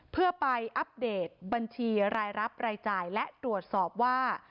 เพื่อไปอัปเดตบัญชีรายรับรายจ่ายและตรวจสอบว่า